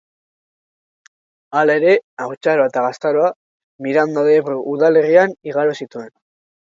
Halere, haurtzaroa eta gaztaroa Miranda de Ebro udalerrian igaro zituen.